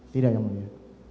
tidak yang mulia